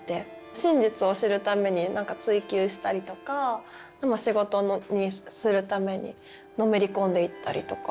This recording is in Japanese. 真実を知るために何か追求したりとかでも仕事にするためにのめり込んでいったりとか。